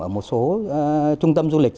ở một số trung tâm du lịch